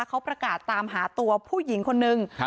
เขาประกาศตามหาตัวผู้หญิงคนนึง